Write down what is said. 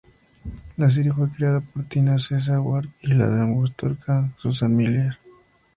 La serie fue creada por Tina Cesa Ward y la dramaturga Susan Miller.